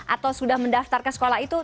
atau sudah mendaftar ke sekolah itu